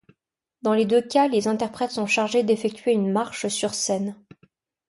Dans les deux cas, les interprètes sont chargés d'effectuer une marche sur scène.